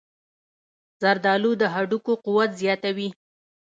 زردآلو د هډوکو قوت زیاتوي.